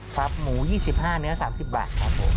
ครับหมู๒๕เนื้อ๓๐บาทครับผม